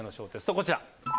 こちら。